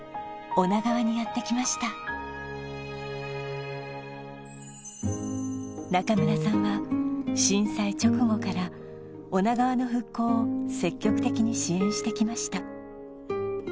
女川にやってきました中村さんは震災直後から女川の復興を積極的に支援してきました